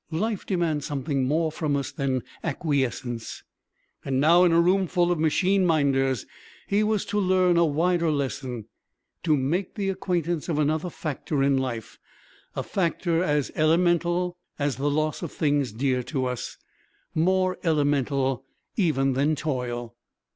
Life demands something more from us than acquiescence. And now in a roomful of machine minders he was to learn a wider lesson, to make the acquaintance of another factor in life, a factor as elemental as the loss of things dear to us, more elemental even than toil.